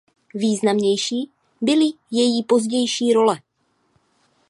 Významnější byly její pozdější role.